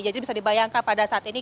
jadi bisa dibayangkan pada saat ini